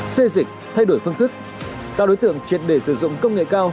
xê dịch thay đổi phương thức tạo đối tượng triệt để sử dụng công nghệ cao